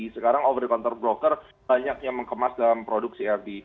sekarang over counter broker banyak yang mengemas dalam produk crb